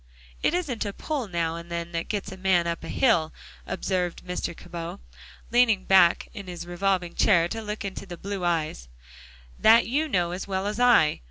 "It isn't a pull now and then that gets a man up hill," observed Mr. Cabot, leaning back in his revolving chair to look into the blue eyes, "that you know as well as I.